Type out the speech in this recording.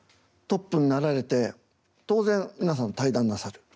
トップになられて当然皆さん退団なさる。